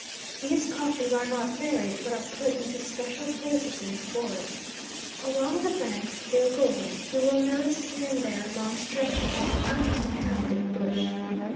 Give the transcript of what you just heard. These coffins are not buried, but are put into special places in the forest. Along the bank of the Ogowe you will notice here and there long stretches of uninhabited bush.